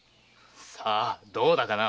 さあどうだかな？